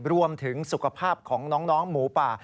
รวมถึงสุขภาพของน้องหมูป่า